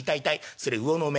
「それ魚の目。